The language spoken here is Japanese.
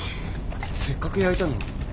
せっかく焼いたのに？